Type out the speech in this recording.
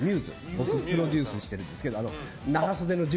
僕がプロデュースしてるんですが。